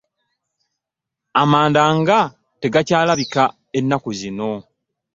Amanda nga tegakyalabika ennaku zino.